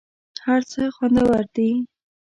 هر څه خوندور دي .